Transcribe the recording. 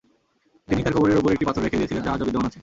তিনিই তার কবরের উপর একটি পাথর রেখে দিয়েছিলেন যা আজও বিদ্যমান আছে।